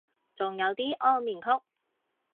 仲有啲安眠曲